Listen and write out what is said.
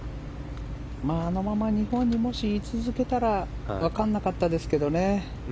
あのまま日本に居続けたら分からなかったですけどね